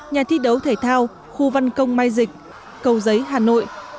nhà thi đấu thể thao khu văn công mai dịch cầu giấy hà nội